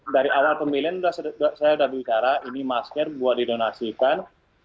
dari awal pemilihan saya sudah bicara ini masker buat didonasikan